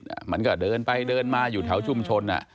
เหมือนกับเดินไปเดินมาอยู่แถวชุมชน